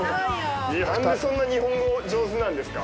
何でそんな日本語上手なんですか。